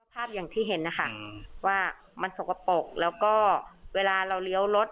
ภาพอย่างที่เห็นนะคะว่ามันสกปรกแล้วก็เวลาเราเลี้ยวรถ